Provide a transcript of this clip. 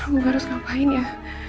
gue harus ngapain ya